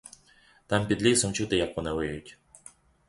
Там під лісом чути, як вони виють.